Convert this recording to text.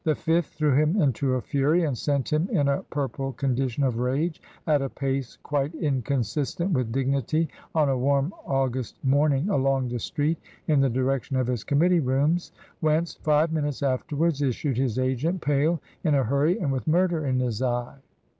fifth threw him into a fury and sent him in a purple con dition of rage, at a pace quite inconsistent with dignity on a warm August morning, along the street, in the direction of his committee rooms ; whence, five minutes afterwards, issued his agent, pale, in a hurry, and with murder in his eye.